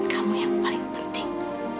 kamu yang paling penting